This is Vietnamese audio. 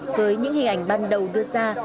với những hình ảnh ban đầu đưa ra